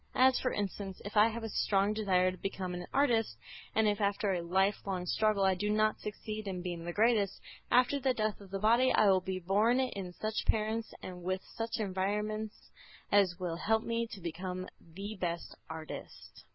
As, for instance, if I have a strong desire to become an artist, and if after a life long struggle I do not succeed in being the greatest, after the death of the body I will be born of such parents and with such environments as will help me to become the best artist.